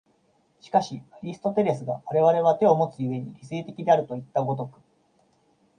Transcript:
しかしアリストテレスが我々は手をもつ故に理性的であるといった如く